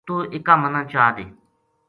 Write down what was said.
توہ اِکا مَنا چادے